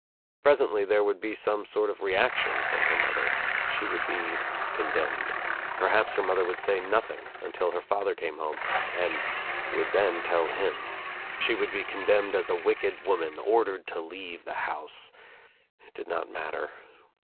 Pres ently there would be some sort of reaction from her mother. She would be condemned. Perhaps her mother would say nothing until her father came home and would then tell him. She would be condemned as a wicked woman, ordered to leave the house. It did not matter.